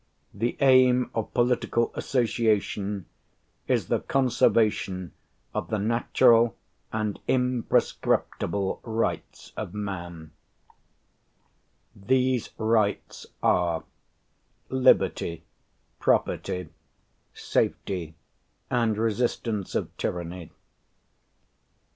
The aim of political association is the conservation of the natural and imprescriptible rights of man; these rights are liberty, property, safety, and resistance of tyranny."